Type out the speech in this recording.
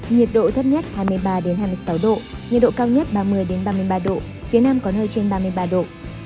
nhiệt độ thấp nhất hai mươi ba hai mươi sáu độ nhiệt độ cao nhất ba mươi ba mươi ba độ phía nam có nơi trên ba mươi ba độ